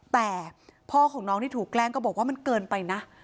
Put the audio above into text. แต่พ่อของน้องที่ถูกแกล้งก็บอกว่ามันเกินไปนะ